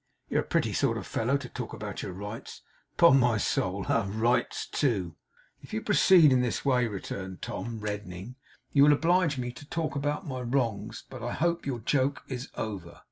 You're a pretty sort of fellow to talk about your rights, upon my soul! Ha, ha! Rights, too!' 'If you proceed in this way,' returned Tom, reddening, 'you will oblige me to talk about my wrongs. But I hope your joke is over.